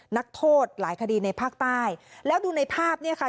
นักโทษหลายคดีในภาคใต้แล้วดูในภาพเนี่ยค่ะ